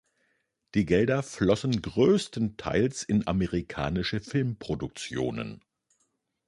Die Gelder flossen größtenteils in amerikanische Filmproduktionen.